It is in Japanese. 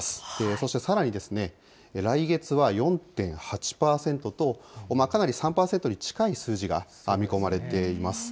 そしてさらに、来月は４．８％と、かなり３％に近い数字が見込まれています。